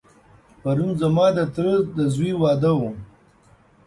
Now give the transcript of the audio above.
پرون ځما دتره دځوی واده و.